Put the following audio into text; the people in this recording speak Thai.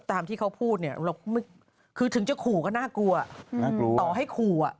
ตามที่เขาพูดถึงจะขูก็น่ากลัวต่อให้ขู